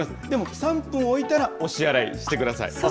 でも３分置いたら、押し洗いしてください。